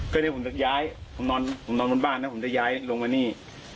ก็เดี๋ยวผมจะย้ายผมนอนผมนอนบนบ้านนะผมจะย้ายลงมานี่